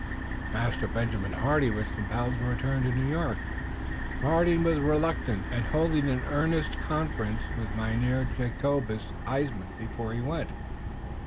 Master Benjamin Hardy was compelled to return to New York, departing with reluctance and holding an earnest conference with Mynheer Jacobus Huysman before he went.